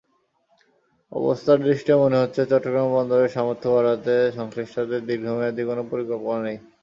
অবস্থাদৃষ্টে মনে হচ্ছে, চট্টগ্রাম বন্দরের সামর্থ্য বাড়াতে সংশ্লিষ্টদের দীর্ঘমেয়াদি কোনো পরিকল্পনা নেই।